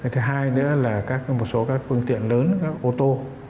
thứ hai nữa là một số các phương tiện lớn các ô tô